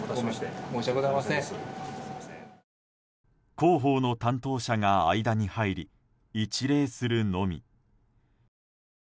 広報の担当者が間に入り一礼するのみ。